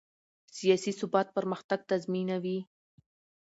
سیاسي ثبات پرمختګ تضمینوي